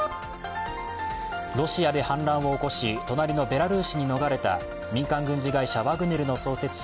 ロシアで反乱を起こし、隣のベラルーシに逃れた民間軍事会社ワグネルの創設者